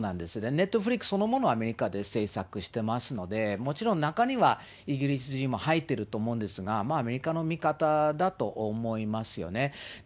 ネットフリックスそのものはアメリカで制作してますので、もちろん中には、イギリス人も入ってると思うんですが、アメリカの見方だと思いますよね。